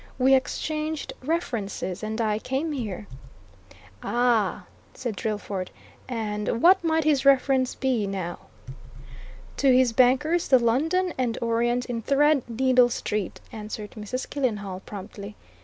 We exchanged references, and I came here." "Ah!" said Drillford. "And what might his references be, now?" "To his bankers, the London and Orient, in Threadneedle Street," answered Mrs. Killenhall promptly.